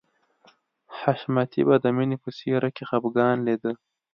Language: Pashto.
حشمتي به د مینې په څېره کې خفګان لیده